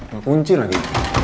gak kunci lagi